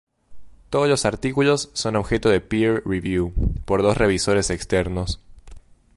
Todos los artículos son objeto de "peer review" por dos revisores externos.